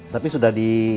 tapi sudah di